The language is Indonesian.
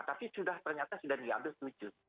tapi sudah ternyata sudah diambil tujuh